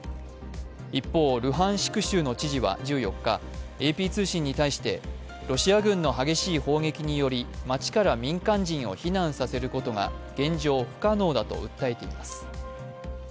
一方、ルハンシク州の知事は１４日、ＡＰ通信に対して、ロシア軍の激しい砲撃により街から民間人を避難させることが現状、不可能だと訴えています。